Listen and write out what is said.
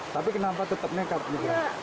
tapi kenapa tetap nekat migran